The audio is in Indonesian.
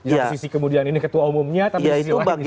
ya sisi kemudian ini ketua umumnya tapi disilahin